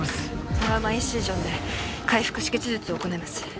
トラウマインシージョンで開腹止血術を行います